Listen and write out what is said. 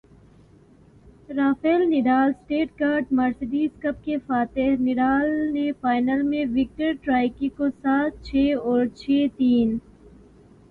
Rafale Nadal Stuttgart Mercedes Cup کے فاتح Nadal نے فائنل میں وکٹر ٹرائیکی کو سات چھے اور چھے تین سے شکست دی